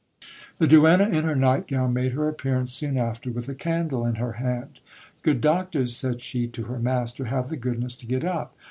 The duenna, in her night gown, made her appearance soon after, with a candle in her hand — Good doctor; said she to her master, have the goodness to get up.